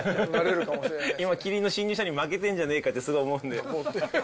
今、キリンの新入社員に負けてんじゃねぇかってすごい思うんで。